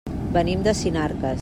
Venim de Sinarques.